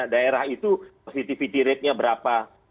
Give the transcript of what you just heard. daerah itu positivity ratenya berapa